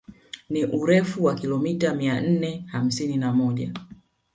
Ni urefu wa kilomita mia nne hamsini na moja